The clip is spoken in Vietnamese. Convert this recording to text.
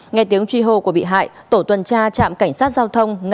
nghe tiếng truy hô của bị hại tổ tuần tra trạm cảnh sát giao thông